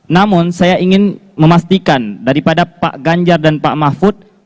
namun saya ingin memastikan daripada pak ganjar dan pak mahfud